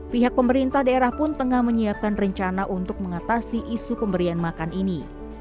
pihak pemerintah daerah pun tengah menyiapkan rencana untuk mengatasi isu pemberian makan ini